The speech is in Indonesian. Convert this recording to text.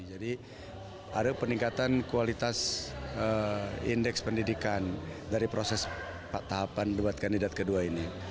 jadi ada peningkatan kualitas indeks pendidikan dari proses tahapan debat kandidat ke dua ini